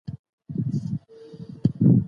ما د پلان په اړه فکر کاوه.